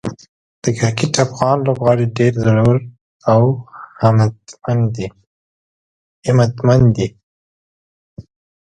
د کرکټ افغان لوبغاړي ډېر زړور او همتمن دي.